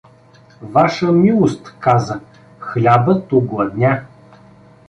— Ваша милост — каза, — хлябът огладня.